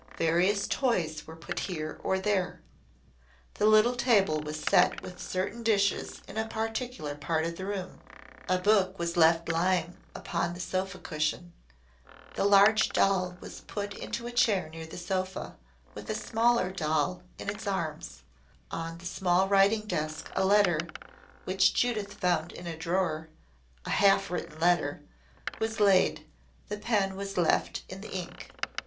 Various toys were put here or there the little table was set with certain dishes in a particular part of the room. A book was left lying upon the sofa cushion, the large doll was put into a chair near the sofa, with a smaller doll in its arms, on the small writing desk a letter, which Judith found in a drawer a half written letter was laid, the pen was left in the ink.